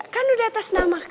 kan udah atas nama